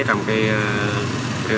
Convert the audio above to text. trong cái tình trạng